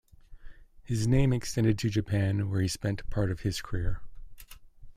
His name extended to Japan where he spent part of his career.